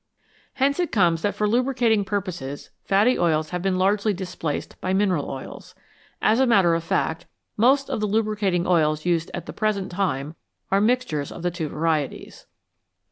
Hence it comes that for lubricating purposes fatty oils have been largely displaced by mineral oils. As a matter of fact, most of the lubricating oils used at the present time are mixtures of the two varieties.